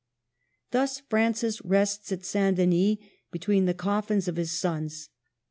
Thus Francis rests at St. Denis, between the coffins of his sons.